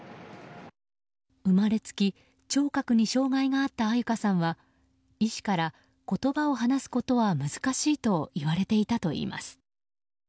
生まれつき聴覚に障害があった安優香さんは医師から言葉を話すことは難しいと言われていたといいます。